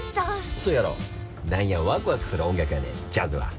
何やワクワクする音楽やねんジャズは。